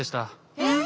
えっ！？